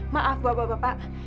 maaf bapak bapak pak